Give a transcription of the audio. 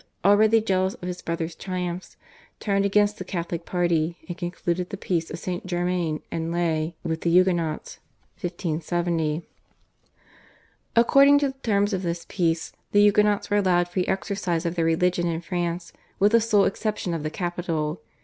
already jealous of his brother's triumphs, turned against the Catholic party and concluded the Peace of St. Germain en Laye with the Huguenots (1570). According to the terms of this Peace the Huguenots were allowed free exercise of their religion in France with the sole exception of the capital.